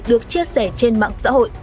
được chia sẻ trên mạng xã hội